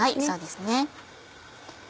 そうです。